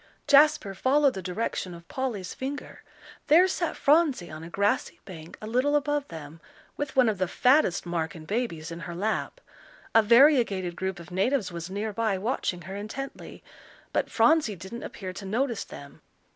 Jasper followed the direction of Polly's finger. There sat Phronsie on a grassy bank a little above them, with one of the fattest Marken babies in her lap. A variegated group of natives was near by, watching her intently. But Phronsie didn't appear to notice them.